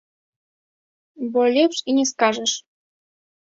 Бо лепш і не скажаш!